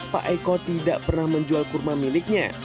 pak eko tidak pernah menjual kurma miliknya